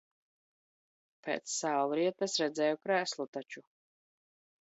Pēc saulrieta es redzēju krēslu taču.